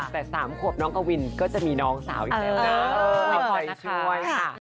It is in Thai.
แต่สามขวบน้องกะวินก็จะมีน้องสาวอีกแล้วขอบใจช่วย